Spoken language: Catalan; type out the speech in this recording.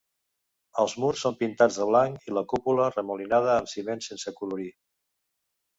Els murs són pintats de blanc i la cúpula remolinada amb ciment sense acolorir.